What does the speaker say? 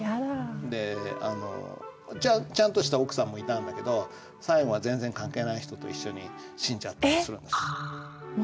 であのちゃんとした奥さんもいたんだけど最後は全然関係ない人と一緒に死んじゃったりするんです。